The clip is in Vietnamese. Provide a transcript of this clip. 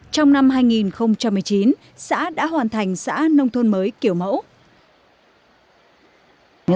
trong năm hai nghìn một mươi chín xã đã hoàn thành xã nông thôn mới kiểu mẫu